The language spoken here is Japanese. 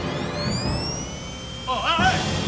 おっおい！